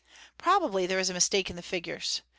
Probably there is a mistake in the figures.